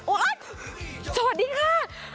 โอ๊ะสวัสดีค่ะ